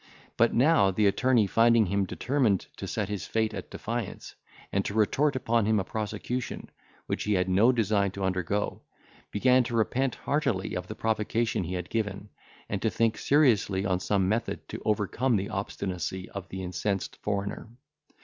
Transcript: But, now the attorney finding him determined to set his fate at defiance, and to retort upon him a prosecution, which he had no design to undergo, began to repent heartily of the provocation he had given, and to think seriously on some method to overcome the obstinacy of the incensed foreigner.